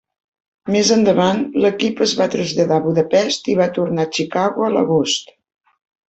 Més endavant, l'equip es va traslladar a Budapest i va tornar a Chicago a l'agost.